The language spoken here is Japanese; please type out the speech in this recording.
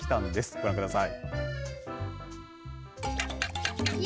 ご覧ください。